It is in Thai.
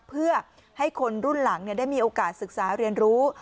เพื่อให้คนรุ่นหลังได้มีโอกาสศึกษาเรียนรู้